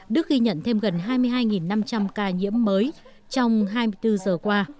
đức ghi nhận thêm gần hai mươi hai năm trăm linh ca nhiễm mới trong hai mươi bốn giờ qua